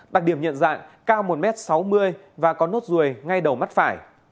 đặc điểm nhận dạng cao một m sáu mươi và có nốt ruồi ngay đầu mắt phải